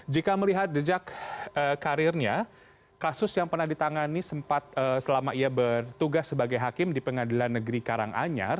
jika melihat jejak karirnya kasus yang pernah ditangani sempat selama ia bertugas sebagai hakim di pengadilan negeri karanganyar